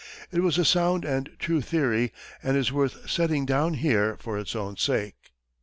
It was a sound and true theory, and is worth setting down here for its own sake.